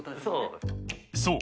そう。